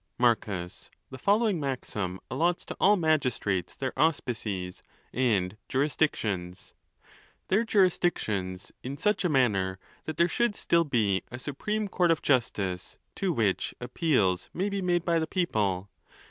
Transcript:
Marcus.—The following maxim allots to all magistrates their auspices and jurisdictions. Their jurisdictions, in such a manner that there should still be a supreme court of justice, to which appeals may be made by the people.